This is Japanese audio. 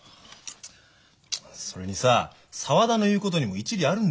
それにさ沢田の言うことにも一理あるんだよ。